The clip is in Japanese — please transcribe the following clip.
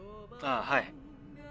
ああはい。